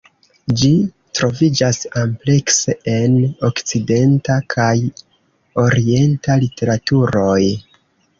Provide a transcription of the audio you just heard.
Ĝi troviĝas amplekse en okcidenta kaj orienta literaturoj.